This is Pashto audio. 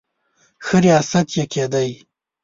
ښه ریاست یې کېدی.